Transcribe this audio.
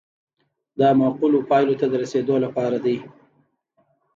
دا معقولو پایلو ته د رسیدو لپاره دی.